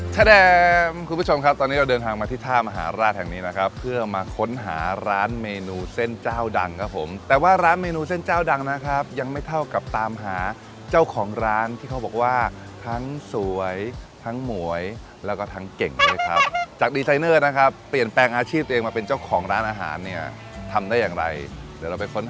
แดงคุณผู้ชมครับตอนนี้เราเดินทางมาที่ท่ามหาราชแห่งนี้นะครับเพื่อมาค้นหาร้านเมนูเส้นเจ้าดังครับผมแต่ว่าร้านเมนูเส้นเจ้าดังนะครับยังไม่เท่ากับตามหาเจ้าของร้านที่เขาบอกว่าทั้งสวยทั้งหมวยแล้วก็ทั้งเก่งเลยครับจากดีไซเนอร์นะครับเปลี่ยนแปลงอาชีพตัวเองมาเป็นเจ้าของร้านอาหารเนี่ยทำได้อย่างไรเดี๋ยวเราไปค้น